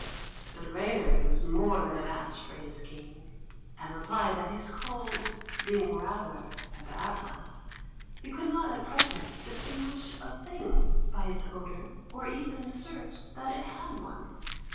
But Reynard was more than a match for his king, And replied that his cold being rather a bad one, He could not at present distinguish a thing By its odour, or even assert that it had one.